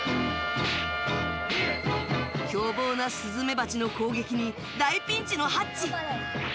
凶暴なスズメバチの攻撃に大ピンチのハッチ。